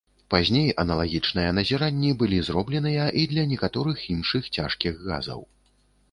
Пазней аналагічныя назіранні былі зробленыя і для некаторых іншых цяжкіх газаў.